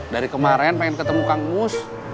dari kemarin pengen ketemu kang mus